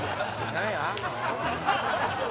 何や？